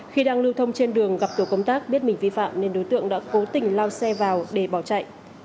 khi đang lưu thông trên đường gặp tổ công tác biết mình vi phạm nên đối tượng đã cố tình lao xe vào để bỏ chạy